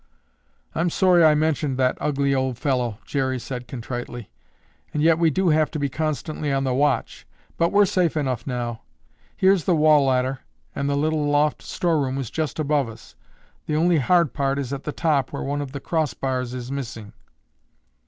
"I'm sorry I mentioned that ugly old fellow," Jerry said contritely, "and yet we do have to be constantly on the watch, but we're safe enough now. Here's the wall ladder and the little loft storeroom is just above us. The only hard part is at the top where one of the cross bars is missing."